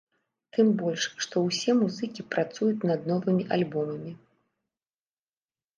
Тым больш, што ўсе музыкі працуюць над новымі альбомамі.